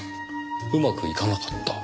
うまくいかなかった？